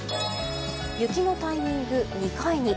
雪のタイミング、２回に。